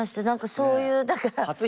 何かそういうだから。